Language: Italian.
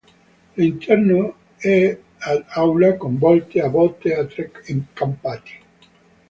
L'interno è ad aula con volte a botte e tre campate.